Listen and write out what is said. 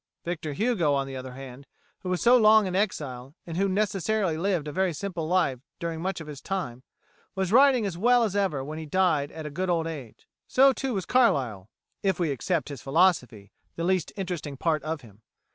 Victor Hugo, on the other hand, who was so long in exile, and who necessarily lived a very simple life during much of his time, was writing as well as ever when he died at a good old age. So, too, was Carlyle, if we except his philosophy, the least interesting part of him.